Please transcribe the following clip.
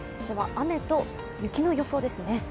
雨と雪の予想ですね。